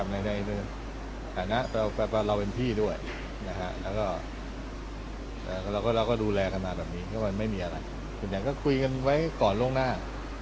ในฐานะเป็นพี่ด้วยเราก็ดูแลเข้ามาแบบนี้ไม่มีอะไรแต่ก็คุยกันไว้ก่อนโล่งหน้า